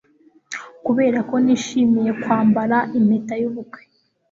kuberako nishimiye kwambara impeta yubukwe